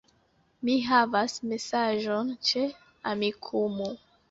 Mi havas mesaĝon ĉe Amikumu